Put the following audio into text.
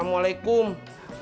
emu ga ada dia di rumah euh